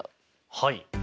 はい。